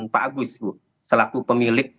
pak agus selaku pemilik